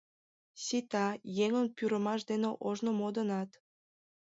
Сита, еҥын пӱрымаш дене ожно модынат.